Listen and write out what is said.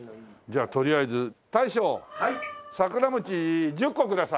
じゃあとりあえず大将さくら餅１０個ください。